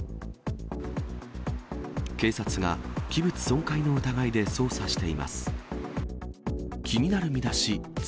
警察が器物損壊の疑いで捜査しています。